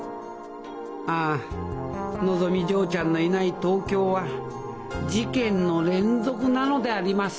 ああのぞみ嬢ちゃんのいない東京は事件の連続なのであります